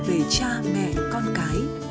về cha mẹ con cái